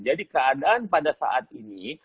jadi keadaan pada saat ini